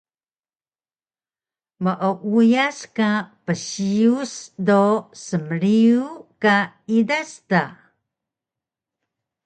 Meuyas ka psiyus do smriyu ka idas da